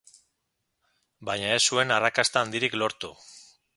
Baina ez zuen arrakasta handirik lortu.